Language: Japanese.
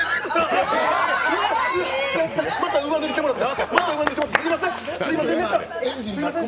また上書きしてもらった。